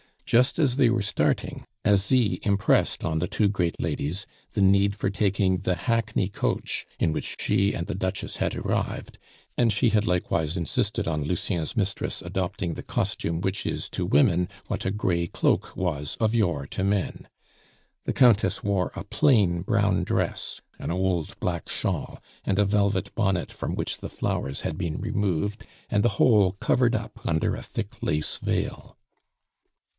Just as they were starting Asie impressed on the two great ladies the need for taking the hackney coach in which she and the Duchess had arrived, and she had likewise insisted on Lucien's mistress adopting the costume which is to women what a gray cloak was of yore to men. The Countess wore a plain brown dress, an old black shawl, and a velvet bonnet from which the flowers had been removed, and the whole covered up under a thick lace veil.